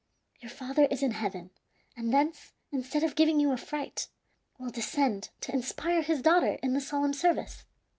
Your father is in heaven, and thence, instead of giving you a fright, will descend to inspire his daughter in the solemn service."